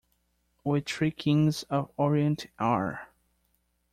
We three Kings of Orient are.